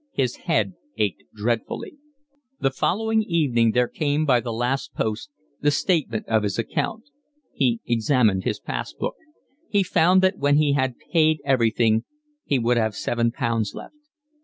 His head ached dreadfully. The following evening there came by the last post the statement of his account. He examined his pass book. He found that when he had paid everything he would have seven pounds left.